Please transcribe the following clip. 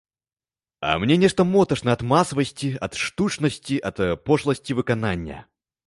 А мне нешта моташна ад масавасці, ад штучнасці, ад пошласці выканання.